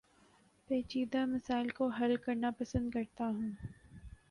پیچیدہ مسائل کو حل کرنا پسند کرتا ہوں